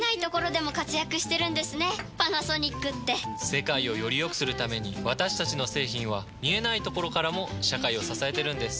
世界をよりよくするために私たちの製品は見えないところからも社会を支えてるんです。